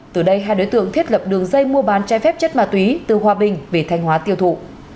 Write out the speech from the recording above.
từ đây hai đối tượng thiết lập đường dây mua bán trái phép chất ma túy từ hòa bình về thanh hóa tiêu thụ